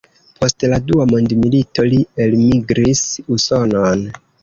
Post la dua mondmilito li elmigris Usonon.